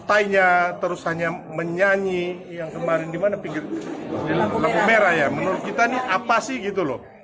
terus hanya menyanyi yang kemarin di mana di lampu merah ya menurut kita ini apa sih gitu loh